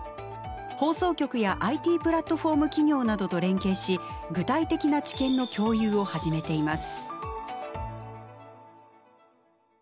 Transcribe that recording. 放送局やＩＴプラットフォーム企業などと連携し具体的な知見の共有を始めています。